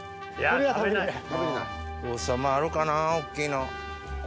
王様あるかなぁ大っきいの。